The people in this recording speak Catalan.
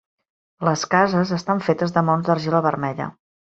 Les cases estan fetes de maons d'argila vermella.